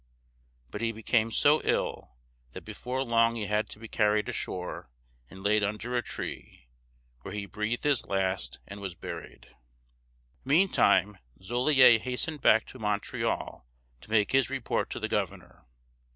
But he became so ill that before long he had to be carried ashore, and laid under a tree, where he breathed his last, and was buried. Meantime, Joliet hastened back to Montreal to make his report to the governor.